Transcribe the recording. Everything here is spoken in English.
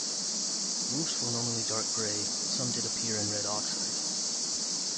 Roofs were normally dark grey but some did appear in red oxide.